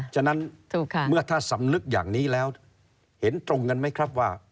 ฉะนั้นเมื่อถ้าสำนึกอย่างนี้แล้วเห็นตรงกันไหมครับว่า